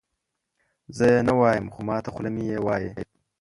زه یې نه وایم خو ماته خوله مې یې وایي.